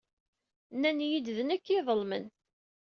Nnan-iyi-d d nekk ay iḍelmen.